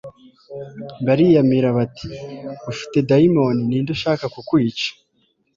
bariyamira bati : «Ufite daimoni. Ninde ushaka kukwica?»